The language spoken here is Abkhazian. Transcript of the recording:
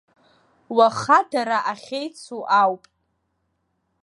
Уаха дара ахьеицу ауп!